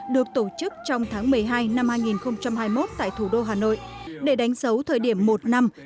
được tổ chức trong tháng một mươi hai năm hai nghìn hai mươi một tại thủ đô hà nội để đánh dấu thời điểm một năm